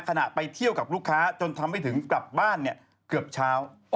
ขณะไปเที่ยวกับลูกค้าจนทำให้ถึงกลับบ้านเนี่ยเกือบเช้า